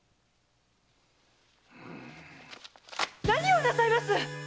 何をなさいます